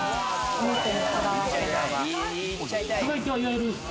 お肉にこだわってます。